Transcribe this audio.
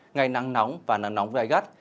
ngày nắng nóng và nắng nóng gai gắt